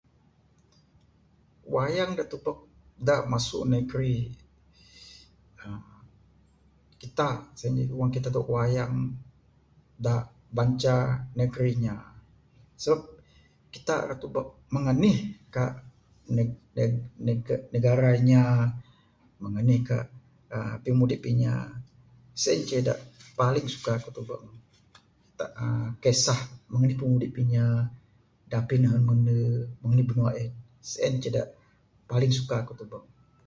Wayang dak tubuk da masu negri uhh kitak sien ceh wang kitak tubuk wayang dak banca negri inya. Sbab kitak rak tubuk mung anihkah neg neg negara inya, mung anihkah uhh pimudip inya. Sien ceh dak paling suka kuk tubuk ne. Dak[uhh] kesah mung anih pimudip inya. Dapih nehun mendu? Mung anig binua eh? Sien ce dak paling suka kuk tubuk.